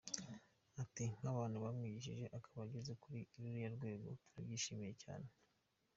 Ati “ Nk’abantu bamwigishije, akaba ageze kuri ruriya rwego, twarabyishimiye cyane.